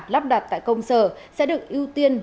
lắp đặt tại công sở sẽ được ưu tiên